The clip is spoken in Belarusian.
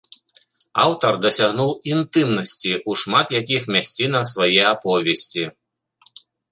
Аўтар дасягнуў інтымнасці ў шмат якіх мясцінах свае аповесці.